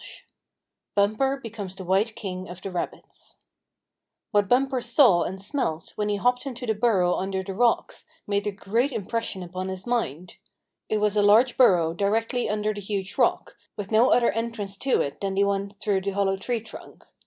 STORY XVI BUMPER BECOMES THE WHITE KING OF THE RABBITS What Bumper saw and smelt when he hopped into the burrow under the rocks made a great impression upon his mind. It was a large burrow directly under the huge rock, with no other entrance to it than the one through the hollow tree trunk.